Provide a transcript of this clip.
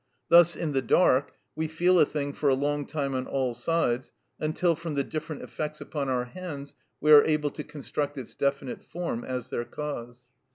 Thus in the dark we feel a thing for a long time on all sides until from the different effects upon our hands we are able to construct its definite form as their cause.